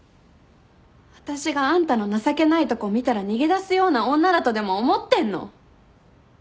私があんたの情けないとこ見たら逃げ出すような女だとでも思ってんの？